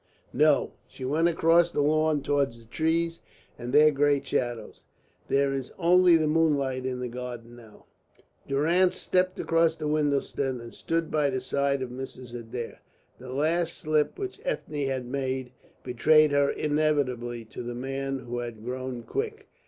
"No; she went across the lawn towards the trees and their great shadows. There is only the moonlight in the garden now." Durrance stepped across the window sill and stood by the side of Mrs. Adair. The last slip which Ethne had made betrayed her inevitably to the man who had grown quick.